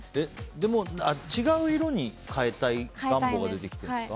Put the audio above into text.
でも、違う色に変えたい願望が出てきてるんですか。